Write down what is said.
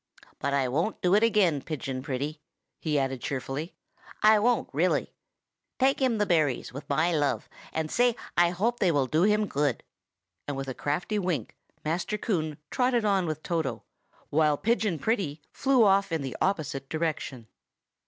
But I won't do it again, Pigeon Pretty," he added cheerfully, "I won't really. Take him the berries, with my love, and say I hope they will do him good!" and with a crafty wink, Master Coon trotted on with Toto, while Pigeon Pretty flew off in the opposite direction.